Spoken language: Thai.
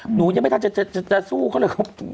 หนูยังไม่ทันจะจะจะจะจะจะสู้เขาเลย